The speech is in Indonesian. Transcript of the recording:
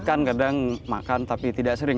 makan kadang makan tapi tidak sering